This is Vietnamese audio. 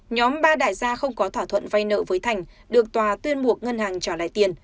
nhóm ba đại gia không có thỏa thuận vay nợ với thành được tòa tuyên buộc ngân hàng trả lại tiền